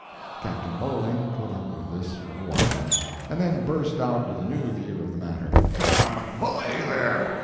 Captain Bowling put up with this for a while, and then burst out with a new view of the matter. "Come, belay there!